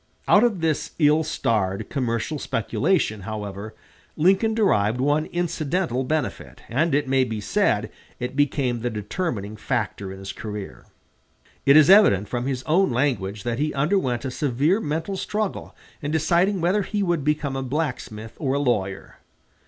Out of this ill starred commercial speculation, however, Lincoln derived one incidental benefit, and it may be said it became the determining factor in his career. It is evident from his own language that he underwent a severe mental struggle in deciding whether he would become a blacksmith or a lawyer.